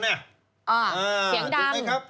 อ่าเสียงดำ